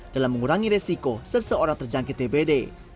dalam mengurangi resiko seseorang terjangkit dpd